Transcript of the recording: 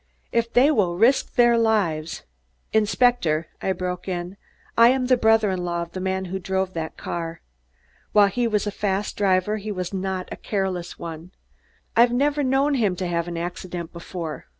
If they will risk their lives " "Inspector," I broke in, "I am the brother in law of the man who drove that car. While he was a fast driver, he was not a careless one. I've never known him to have an accident before."